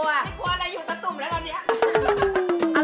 ไม่กลัวอะไรอยู่ตะตุ่มแล้วตอนนี้